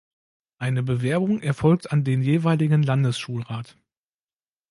Eine Bewerbung erfolgt an den jeweiligen Landesschulrat.